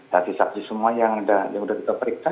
tadi saksi semua yang sudah kita periksa